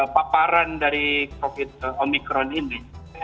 paparan dari covid omikron ini